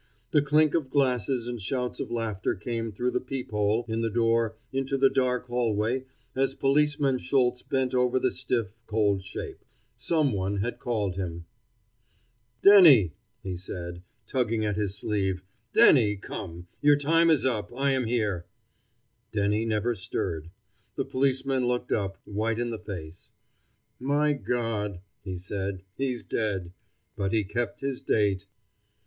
The clink of glasses and shouts of laughter came through the peep hole in the door into the dark hallway as Policeman Schultz bent over the stiff, cold shape. Some one had called him. "Denny," he said, tugging at his sleeve. "Denny, come. Your time is up. I am here." Denny never stirred. The policeman looked up, white in the face. "My God!" he said, "he's dead. But he kept his date."